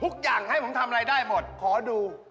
ทุกอย่างให้ผมทำอะไรได้หมดขอดู